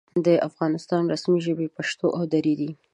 د افغانستان رسمي ژبې پښتو او دري دي.